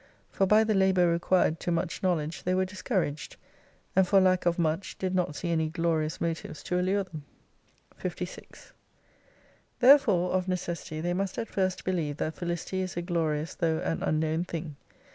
For by the labour required to much know ledge they were discouraged, and for lack of much did not see any glorious motives to allure them. 56 Therefore of necessity they must at first believe that Felicity is a glorious though an unknown thing.